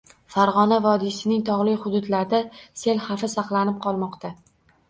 Farg‘ona vodiysining tog‘li hududlarida sel xavfi saqlanib qolmoqda